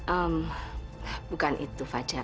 ehm bukan itu fajar